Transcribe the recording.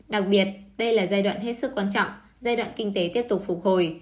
đặc biệt đây là giai đoạn hết sức quan trọng giai đoạn kinh tế tiếp tục phục hồi